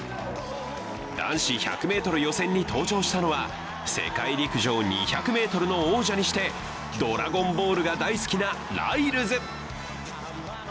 男子１００ｍ予選に登場したのは世界陸上２００ｍの王者にして「ドラゴンボール」が大好きなライルズ。